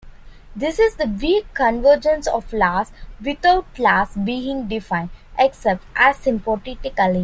This is the "weak convergence of laws without laws being defined" - except asymptotically.